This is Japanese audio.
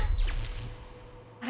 あれ？